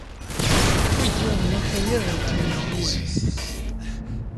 Tewwi-d yiwen n ukayad n tanglizit.